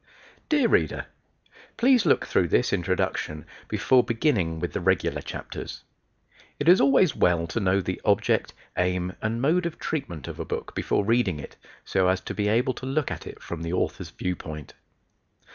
Dear Reader: Please look through this "Introduction" before beginning with the regular chapters. It is always well to know the object, aim, and mode of treatment of a book before reading it, so as to be able to look at it from the author's view point.